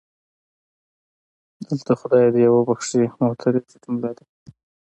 دلته خدای دې یې وبښي معترضه جمله ده.